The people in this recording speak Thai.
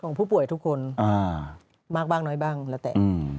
ของผู้ป่วยทุกคนอ่ามากบ้างน้อยบ้างแล้วแต่อืม